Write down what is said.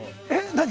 何？